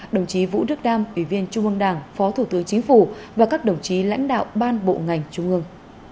đồng chí vũ đức đam ủy viên trung ương đảng phó thủ tướng chính phủ và các đồng chí lãnh đạo ban bộ ngành trung ương